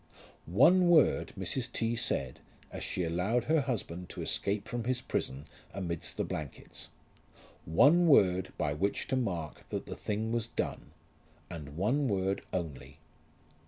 One word Mrs. T. said as she allowed her husband to escape from his prison amidst the blankets, one word by which to mark that the thing was done, and one word only.